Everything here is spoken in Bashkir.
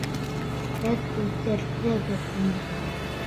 Һеҙ үлтерҙегеҙ уны!